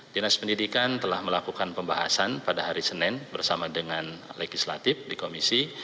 dinas pendidikan telah melakukan pembahasan pada hari senin bersama dengan legislatif di komisi